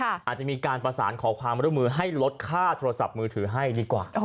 อาจจะมีการประสานขอความร่วมมือให้ลดค่าโทรศัพท์มือถือให้ดีกว่า